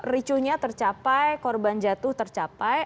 ricuhnya tercapai korban jatuh tercapai